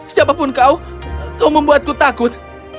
siapapun kau kau membuatku takut